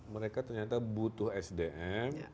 mereka ternyata butuh sdm